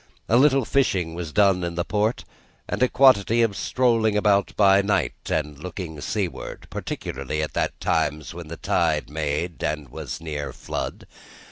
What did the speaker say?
A little fishing was done in the port, and a quantity of strolling about by night, and looking seaward: particularly at those times when the tide made, and was near flood.